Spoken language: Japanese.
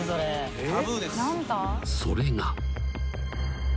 ［それが］